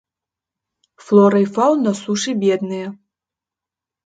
Флора і фаўна сушы бедныя.